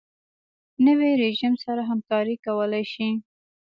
نوی رژیم سره همکاري کولای شي.